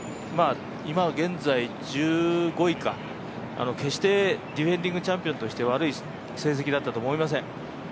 今現在１５位か、決してディフェンディングチャンピオンとして悪い成績だったと思いません。